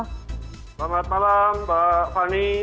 selamat malam pak fani